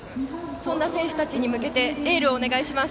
そんな選手たちに向けてエールをお願いします。